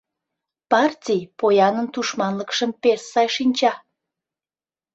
Партий поянын тушманлыкшым пеш сай шинча.